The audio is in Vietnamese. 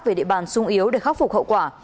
về địa bàn sung yếu để khắc phục hậu quả